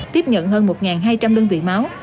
tiếp nhận hơn một hai trăm linh đơn vị máu